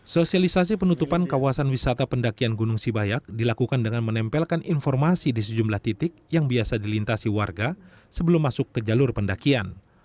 sosialisasi penutupan kawasan wisata pendakian gunung sibayak dilakukan dengan menempelkan informasi di sejumlah titik yang biasa dilintasi warga sebelum masuk ke jalur pendakian